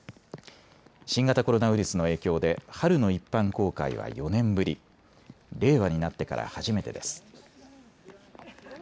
新型コロナウイルスの影響で春の一般公開は４年ぶり、令和になってから初めてです。